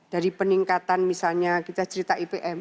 dari peningkatan misalnya kita cerita ipm